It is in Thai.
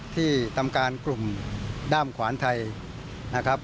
ที่ทำการกลุ่มด้ามขวานไทยนะครับ